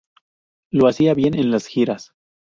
Lo hacía bien en las giras.